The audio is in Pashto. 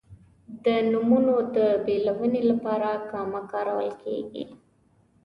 د نومونو د بېلونې لپاره کامه کارول کیږي.